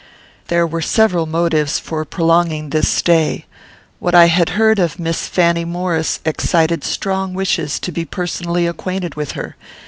There were several motives for prolonging this stay. What I had heard of Miss Fanny Maurice excited strong wishes to be personally acquainted with her.